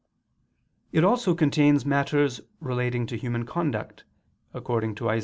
It also contains matters relating to human conduct, according to Isa.